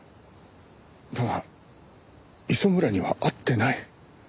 だが磯村には会ってない。